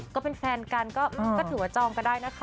ก็เป็นแฟนกันก็ถือว่าจองก็ได้นะคะ